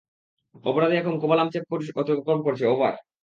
অপরাধী এখন Kovalam check post অতিক্রম করছে, ওভার।